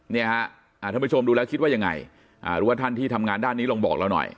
ท่านผู้ชมดูแล้วคิดว่ายังไงหรือว่าท่านที่ทำงานด้านนี้ลองบอกเราหน่อย